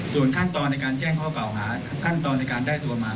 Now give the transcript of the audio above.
ส่วนขั้นตอนในการแจ้งข้อเก่าหาขั้นตอนในการได้ตัวมา